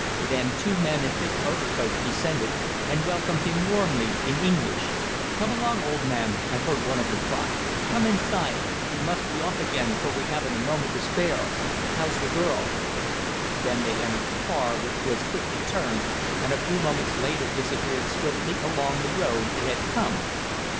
Then two men in thick overcoats descended, and welcomed him warmly in English. "Come along, old man!" I heard one of them cry. "Come inside. We must be off again, for we haven't a moment to spare. How's the girl?" Then they entered the car, which was quickly turned, and a few moments later disappeared swiftly along the road it had come.